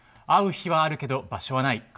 会う日はあるけど場所はない。